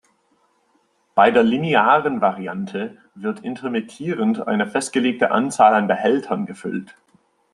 Bei der linearen Variante wird intermittierend eine festgelegte Anzahl an Behältern gefüllt.